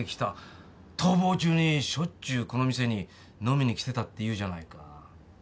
逃亡中にしょっちゅうこの店に飲みに来てたっていうじゃないか。